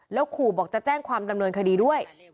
แล้วขู่บอกจะแจ้งความดำเนินคดีด้วย